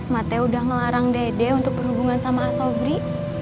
mateo udah ngelarang dede untuk berhubungan sama assobri